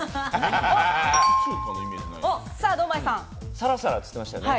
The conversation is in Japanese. サラサラって言ってましたよね。